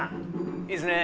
いいっすね。